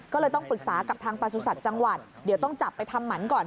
ก็เลยต้องปรึกษากับทางประสุทธิ์จังหวัดเดี๋ยวต้องจับไปทำหมันก่อน